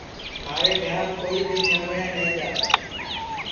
مھارے گھرام کوئی بھی مانگٹؔیں نائی جاوے